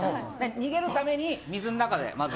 逃げるために水の中で、まず。